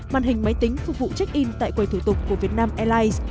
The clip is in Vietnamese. màn hình máy tính phục vụ check in tại quầy thủ tục của việt nam airlines